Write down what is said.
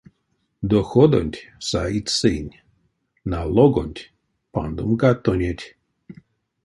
Доходонть саить сынь — налогонть пандомка тонеть.